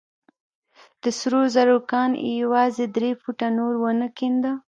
د سرو زرو کان يې يوازې درې فوټه نور ونه کينده.